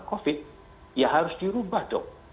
covid ya harus dirubah dong